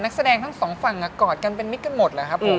แสดงทั้งสองฝั่งกอดกันเป็นมิตรกันหมดเหรอครับผม